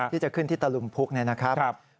ที่จะขึ้นที่ตลุมพุกนะครับ